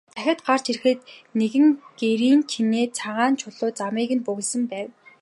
Дахиад гарч ирэхэд нь нэгэн гэрийн чинээ цагаан чулуу замыг нь бөглөсөн байв.